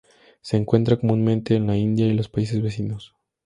Se encuentra comúnmente en la India y los países vecinos.